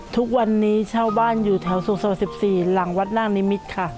ทุกวันนี้เช่าบ้านอยู่แถวสุโสด๑๔หลังวัดหน้านิมิตรค่ะ